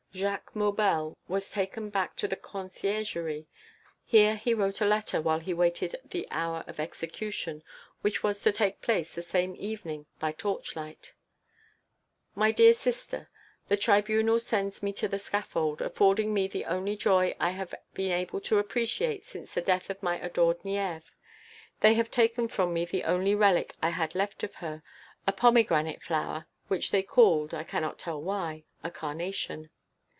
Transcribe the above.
Jacques Maubel was taken back to the Conciergerie; here he wrote a letter while he waited the hour of execution, which was to take place the same evening, by torchlight: _My dear sister, The tribunal sends me to the scaffold, affording me the only joy I have been able to appreciate since the death of my adored Nieves. They have taken from me the only relic I had left of her, a pomegranate flower, which they called, I cannot tell why, a carnation.